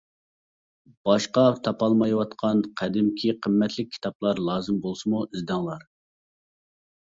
باشقا تاپالمايۋاتقان قەدىمكى قىممەتلىك كىتابلار لازىم بولسىمۇ ئىزدەڭلار!